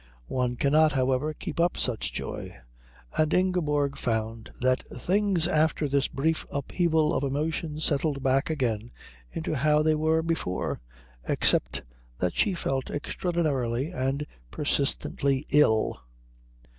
One cannot, however, keep up such joy, and Ingeborg found that things after this brief upheaval of emotion settled back again into how they were before, except that she felt extraordinarily and persistently ill.